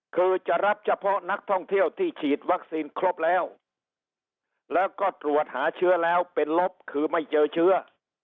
คือจะรับเฉพาะนักท่องเที่ยวที่ฉีดวัคซีนครบแล้วแล้วก็ตรวจหาเชื้อแล้วเป็นลบคือไม่เจอเชื้อ